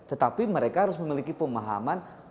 tetapi mereka harus memiliki pemahaman